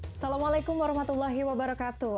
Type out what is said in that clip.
assalamualaikum warahmatullahi wabarakatuh